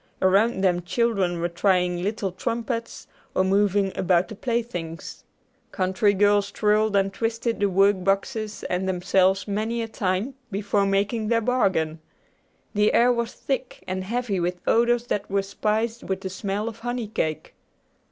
Around them children were trying little trumpets, or moving about the playthings. Country girls twirled and twisted the work boxes and themselves many a time before making their bargain. The air was thick and heavy with odors that were spiced with the smell of honey cake.